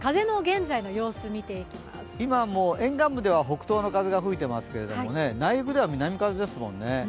今も沿岸部では北東の風が吹いていますけれども内陸では南風ですもんね。